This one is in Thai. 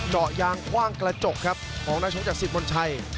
เจาะยางคว่างกระจกครับของนักชกจากสิทธมนชัย